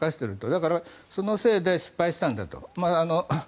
だからそのせいで失敗したんだと。